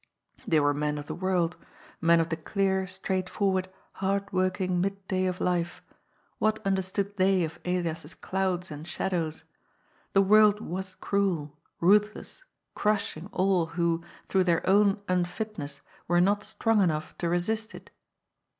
They were men of the world, men of the clear, straightforward, hard work ing mid day of life ; what understood they of Elias's clouds and shadows? The world was cruel, rutiiless, crushing all who, through their own unfitness, were not strong enough to resist it.